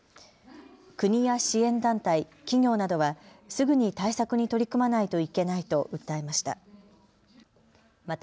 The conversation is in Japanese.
国や支援団体、企業などはすぐに対策に取り組まないといけないと訴えました。